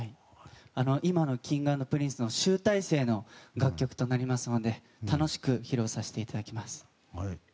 今のＫｉｎｇ＆Ｐｒｉｎｃｅの集大成の楽曲となりますので楽しく披露させていただきます。